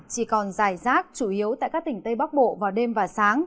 chỉ còn dài rác chủ yếu tại các tỉnh tây bắc bộ vào đêm và sáng